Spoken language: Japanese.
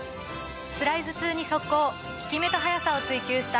つらい頭痛に速効効き目と速さを追求した。